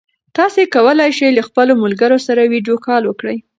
تاسي کولای شئ له خپلو ملګرو سره ویډیو کال وکړئ.